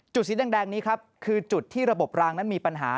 สีแดงนี้ครับคือจุดที่ระบบรางนั้นมีปัญหา